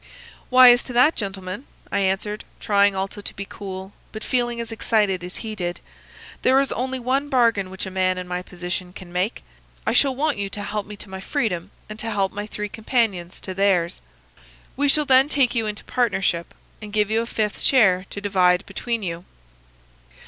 "'Why, as to that, gentlemen,' I answered, trying also to be cool, but feeling as excited as he did, 'there is only one bargain which a man in my position can make. I shall want you to help me to my freedom, and to help my three companions to theirs. We shall then take you into partnership, and give you a fifth share to divide between you.